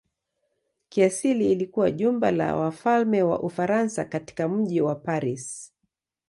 Kiasili ilikuwa jumba la wafalme wa Ufaransa katika mji wa Paris.